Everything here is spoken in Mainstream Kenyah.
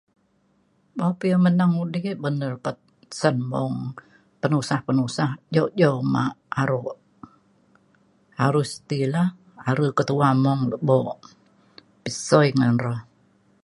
buk ya menang undi ban na dapat sen mung penusa penusa jok jok uma aro. harus ti la are ketua mung lebo pisiu ngan re.